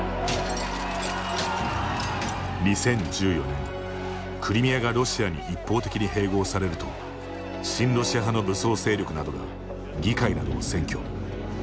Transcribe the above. ２０１４年、クリミアがロシアに一方的に併合されると親ロシア派の武装勢力などが議会などを占拠。